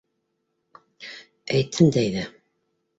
— Әйтһен дә, әйҙә!